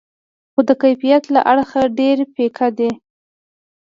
خو د کیفیت له اړخه ډېر پیکه دي.